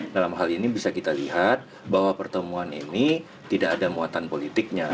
dalam hal ini bisa kita lihat bahwa pertemuan ini tidak ada muatan politiknya